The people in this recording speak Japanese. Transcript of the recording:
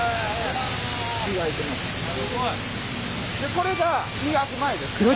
これが磨く前です。